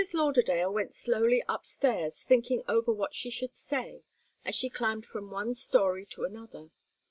Lauderdale went slowly upstairs, thinking over what she should say, as she climbed from one story to another.